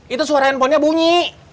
itu suara handphonenya bunyi